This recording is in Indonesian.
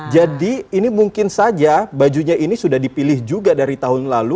jadi ini mungkin saja bajunya ini sudah dipilih juga dari tahun lalu